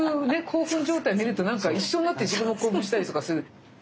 興奮状態見ると一緒になって自分も興奮したりとかする。